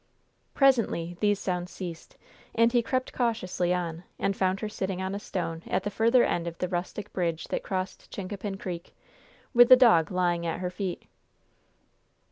Presently these sounds ceased, and he crept cautiously on and found her sitting on a stone at the further end of the rustic bridge that crossed Chincapin Creek, with the dog lying at her feet.